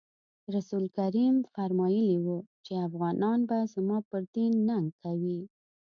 رسول کریم فرمایلي وو چې افغانان به زما پر دین ننګ کوي.